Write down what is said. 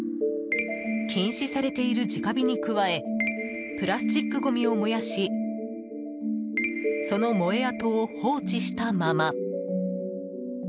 禁止されている直火に加えプラスチックごみを燃やしその燃え跡を放置したまま。